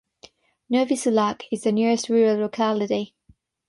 Novy Sulak is the nearest rural locality.